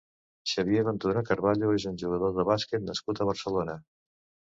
Xavier Ventura Carvalho és un jugador de bàsquet nascut a Barcelona.